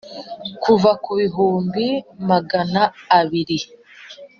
kuva ku bihumbi magana abiri